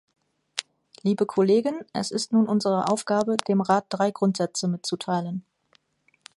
Liebe Kollegen, es ist nun unsere Aufgabe, dem Rat drei Grundsätze mitzuteilen.